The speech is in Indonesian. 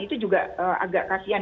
itu juga agak kasihan